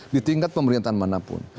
di tingkat pemerintahan manapun